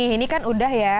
ini kan udah ya